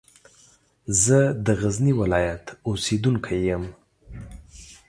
زه د غزني ولایت اوسېدونکی یم.